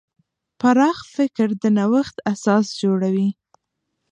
پراخ فکر د نوښت اساس جوړوي.